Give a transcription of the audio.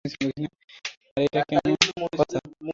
আরে, এটা কেমন কথা?